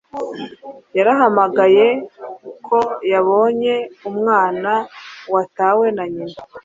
yarahamagaye ko yabonye umwana watawe na nyina